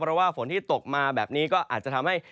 เพราะว่าฝนที่ตกมาแบบนี้ก็อาจจะทำให้